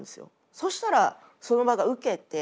そしたらその場がウケて。